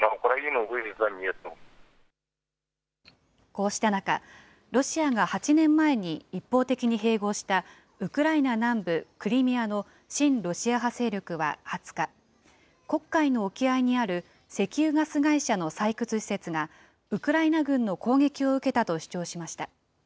こうした中、ロシアが８年前に一方的に併合したウクライナ南部クリミアの親ロシア派勢力は２０日、黒海の沖合にある石油ガス会社の採掘施設がウクライナ軍の攻撃を受けたと主張しました。